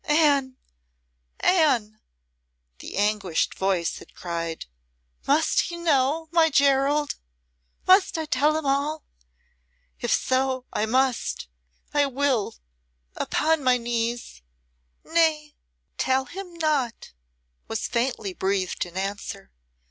"Anne! Anne!" the anguished voice had cried. "Must he know my Gerald? Must I tell him all? If so I must, I will upon my knees!" "Nay, tell him not," was faintly breathed in answer.